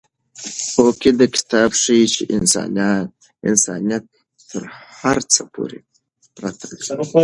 هوکې دا کتاب ښيي چې انسانیت تر هر څه پورته دی.